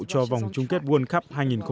cho vòng chung kết quân cấp hai nghìn một mươi tám